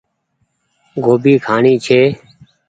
گوڀي کآڻي ڇي۔